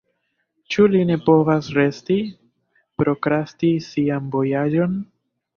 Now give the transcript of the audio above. Ĉu li ne povas resti, prokrasti sian vojaĝon?